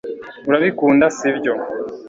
urabikunda, si byo